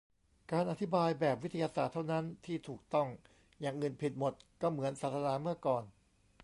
'การอธิบายแบบวิทยาศาสตร์เท่านั้นที่ถูกต้อง' อย่างอื่นผิดหมด ก็เหมือนศาสนาเมื่อก่อน